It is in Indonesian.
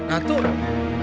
nah tuh aku nge